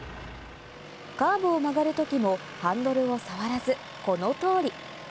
カーブを曲がるときもハンドルを触らず、この通り。